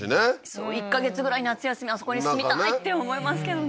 そう１か月ぐらい夏休みあそこに住みたいって思いますけどね